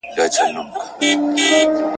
د غلا مخنيوي د ټولنې د امنيت لپاره ضروري دی.